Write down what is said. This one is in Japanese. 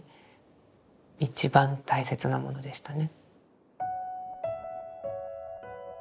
一番大切なものでしたね。